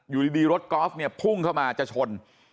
อยู่ดีรถกอล์ฟเนี่ยพุ่งเข้ามาจะชน